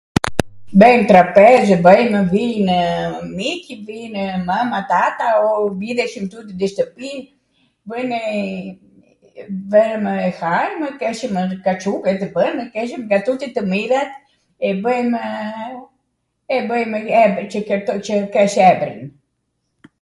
Bwjn trapezw, bwjnw, vijnw miq, vijnw mama, tata, mblidheshin tuti dw shtwpi, bwjnw bwjmw hajm, keshwm kaCubetw bwnw .... keshwm ga tuti tw mirat... e bejme emrin, qw kesh emrin.